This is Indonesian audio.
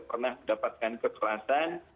pernah mendapatkan kekerasan